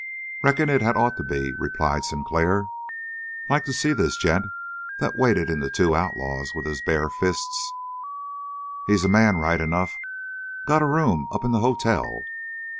"Reckon it had ought to be," replied Sinclair. "Like to see this gent that waded into two outlaws with his bare fists." "He's a man, right enough. Got a room up in the hotel.